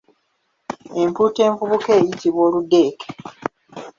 Empuuta envubuka eyitibwa Oludeeke.